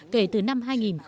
kể từ năm hai nghìn một mươi